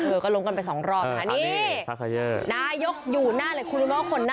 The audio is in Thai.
เออก็ลมกันไปสองรอบนายกอยู่หน้าเลยคุณรู้มั้ยว่าคนหน้าสำคัญมากนะ